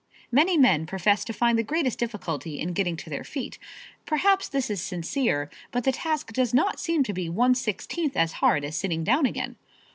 Many men profess to find the greatest difficulty in getting to their feet. Perhaps this is sincere, but the task does not seem to be one sixteenth as hard as sitting down again.